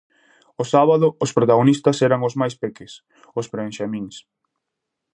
O sábado, os protagonistas eran os máis peques, os prebenxamíns.